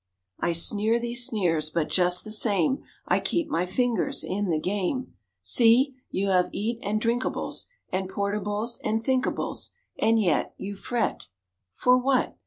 (I sneer these sneers, but just the same I keep my fingers in the game.) See! you have eat and drinkables And portables and thinkables And yet You fret. For what?